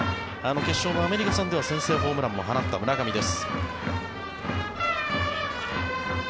決勝のアメリカ戦では先制ホームランも放った村上です。